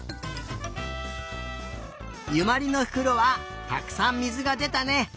ゆまりのふくろはたくさんみずがでたね。